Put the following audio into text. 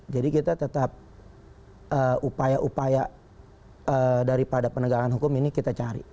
jadi kita tetap upaya upaya daripada penegangan hukum ini kita cari